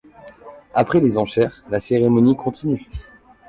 Après les enchères, la cérémonie continue.